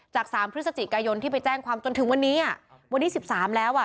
จากสามพฤศจิกายนที่ไปแจ้งความจนถึงวันนี้อ่ะวันที่สิบสามแล้วอ่ะ